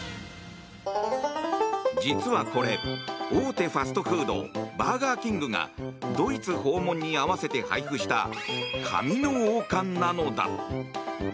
実はこれ、大手ファストフードバーガーキングがドイツ訪問に合わせて配布した紙の王冠なのだ。